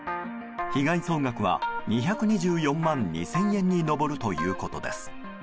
被害額は２２４万２０００円に上るということです。